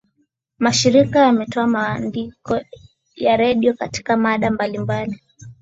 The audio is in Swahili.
mashirika yanatoa maandiko ya redio katika mada mbalimbali